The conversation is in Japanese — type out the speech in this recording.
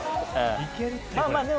行けるって。